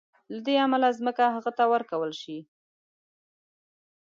له دې امله ځمکه هغه ته ورکول شي.